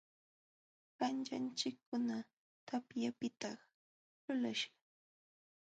Kanćhanchikkuna tapyapiqta lulaśhqam.